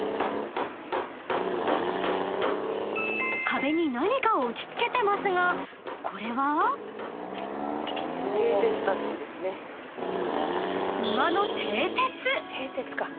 ［壁に何かを打ち付けてますがこれは？］［馬の］